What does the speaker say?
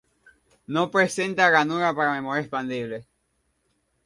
No presenta ranura para memoria expandible.